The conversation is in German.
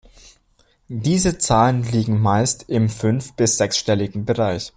Diese Zahlen liegen meist im fünf- bis sechsstelligen Bereich.